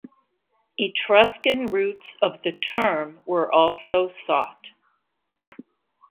Etruscan roots of the term were also sought.